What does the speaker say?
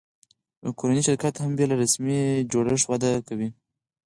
یو کورنی شرکت هم بېله رسمي جوړښت وده کوي.